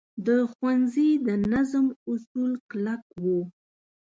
د ښوونځي د نظم اصول کلک وو.